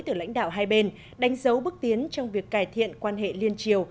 từ lãnh đạo hai bên đánh dấu bước tiến trong việc cải thiện quan hệ liên triều